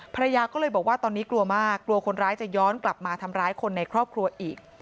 ภรรยาก็เลยบอกว่าตอนนี้กลัวมากกลัวคนร้ายจะย้อนกลับมาทำร้ายคนในครอบครัวอีก